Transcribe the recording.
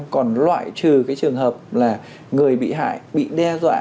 còn loại trừ cái trường hợp là người bị hại bị đe dọa